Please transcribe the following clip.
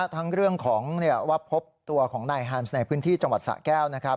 ทั้งเรื่องว่าพบตัวของในไฮล์มซ์ในพื้นที่จังหวัดสระแก้ว